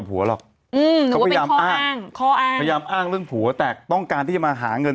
พยายามอ้างเรื่องปู่วะแตะต้องการที่จะมาหาเงิน